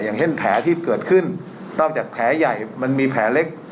อย่างเช่นแผลที่เกิดขึ้นนอกจากแผลใหญ่มันมีแผลเล็ก